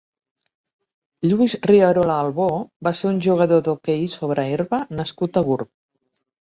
Lluís Rierola Albó va ser un jugador d'hoquei sobre herba nascut a Gurb.